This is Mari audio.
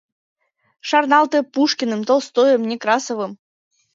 Шарналте Пушкиным, Толстойым, Некрасовым...